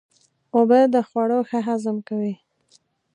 اوبه د خوړو ښه هضم کوي.